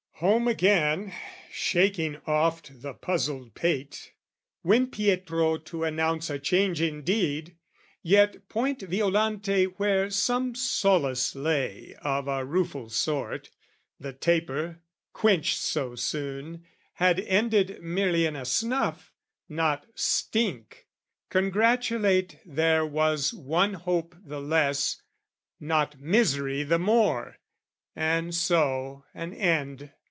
Home again, shaking oft the puzzled pate, Went Pietro to announce a change indeed, Yet point Violante where some solace lay Of a rueful sort, the taper, quenched so soon, Had ended merely in a snuff, not stink Congratulate there was one hope the less Not misery the more: and so an end.